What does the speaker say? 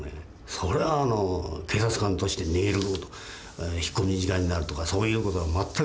それはあの警察官として逃げる引っ込み思案になるとかそういう事は全く。